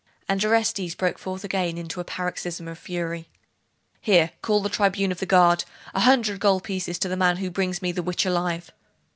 And Orestes broke forth again into a paroxysm of fury. 'Here call the tribune of the guard! A hundred gold pieces to the man who brings me the witch alive!